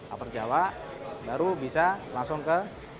aparjawa baru bisa langsung ke